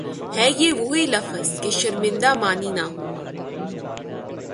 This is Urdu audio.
ہے یہ وہ لفظ کہ شرمندۂ معنی نہ ہوا